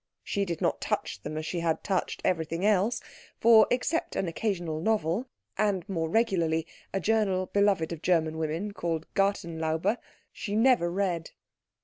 She did not touch them as she had touched everything else, for except an occasional novel, and, more regularly, a journal beloved of German woman called the Gartenlaube, she never read.